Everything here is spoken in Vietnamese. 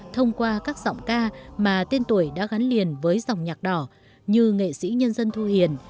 thông qua các giọng ca mà tên tuổi đã gắn liền với dòng nhạc đỏ như nghệ sĩ nhân dân thu hiền